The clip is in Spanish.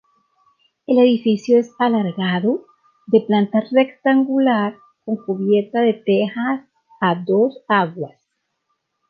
El edificio es alargado, de planta rectangular, con cubierta de tejas a dos aguas.